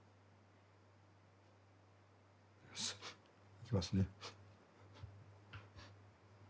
いきますね。